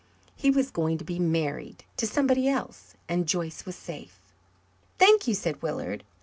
He was going to be married to somebody else, and Joyce was safe. "Thank you," said Willard.